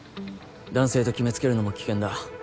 男性と決めつけるのも危険だ。